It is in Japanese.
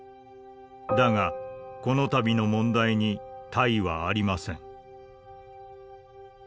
だがこのたびの問題に他意はありません」。